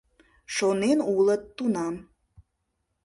Шонен улыт тунам.